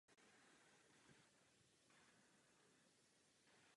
Následuje po čísle pět set sedmdesát tři a předchází číslu pět set sedmdesát pět.